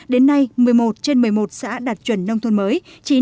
đến nay một mươi một trên một mươi một xã đạt chuẩn nông thôn mới